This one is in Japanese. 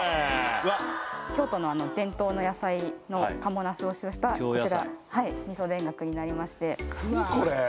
うわっ京都の伝統の野菜の賀茂なすを使用したこちら味噌田楽になりまして京野菜何これ！？